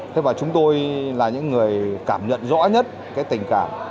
thế và chúng tôi là những người cảm nhận rõ nhất cái tình cảm